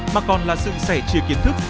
mà còn là sự sẻ chia kiến thức